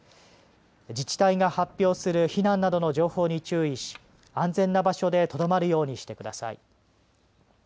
自治体が発表する避難などの情報に注意し安全な場所でとどまるようにしてください。